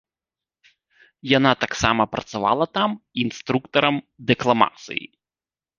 Яна таксама працавала там інструктарам дэкламацыі.